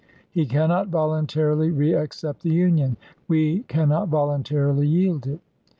He cannot voluntarily re accept the Union ; we cannot voluntarily yield it.